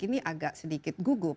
ini agak sedikit gugup